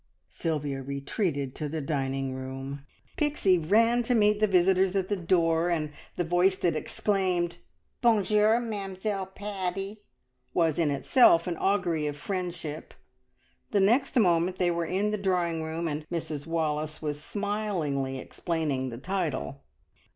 Sylvia retreated to the dining room. Pixie ran to meet the visitors at the door, and the voice that exclaimed, "Bon jour, Mamzelle Paddy!" was in itself an augury of friendship. The next moment they were in the drawing room, and Mrs Wallace was smilingly explaining the title.